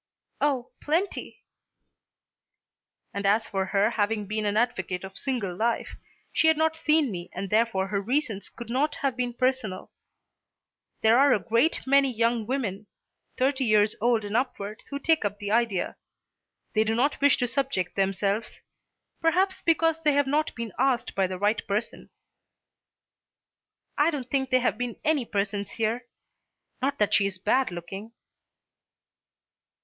"Oh, plenty." "And as for her having been an advocate for single life, she had not seen me and therefore her reasons could not have been personal. There are a great many young women, thirty years old and upwards, who take up the idea. They do not wish to subject themselves, perhaps because they have not been asked by the right person." "I don't think there have been any persons here. Not that she is bad looking."